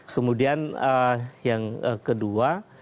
kemudian yang kedua